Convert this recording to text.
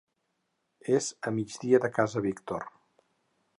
És a migdia de Casa Víctor.